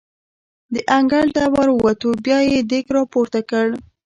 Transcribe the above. د انګړ ته ور ووتو، بیا یې دېګ را پورته کړ.